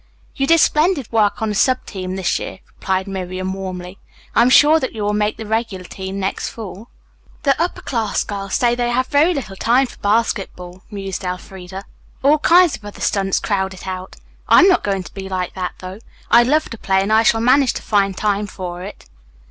"You did splendid work on the sub team this year," replied Miriam warmly. "I am sure that you will make the regular team next fall." "The upper class girls say they have very little time for basketball," mused Elfreda. "All kinds of other stunts crowd it out. I'm not going to be like that, though. I love to play and I shall manage to find time for it."